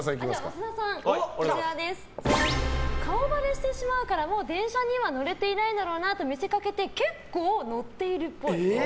増田さん顔バレしてしまうからもう電車には乗れていないだろうなと見せかけて結構、乗っているっぽい。